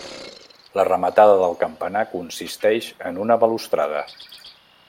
La rematada del campanar consisteix en una balustrada.